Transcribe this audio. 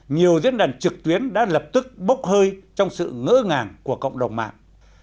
nhiều diễn đàn trực tuyến đã lập tức bốc hơi trong sự ngỡ ngàng của cộng đồng mạng